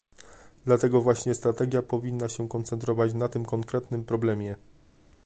Dlatego właśnie strategia powinna się koncentrować na tym konkretnym problemie